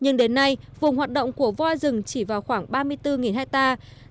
nhưng đến nay vùng hoạt động của voi rừng chỉ vào khoảng ba mươi bốn hectare